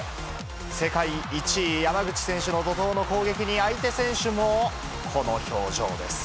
世界１位、山口選手の怒とうの攻撃に、相手選手も、この表情です。